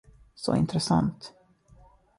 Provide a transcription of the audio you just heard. Så intressant.